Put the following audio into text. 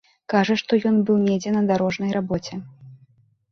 Кажа, што ён быў недзе на дарожнай рабоце.